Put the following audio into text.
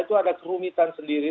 itu ada kerumitan sendiri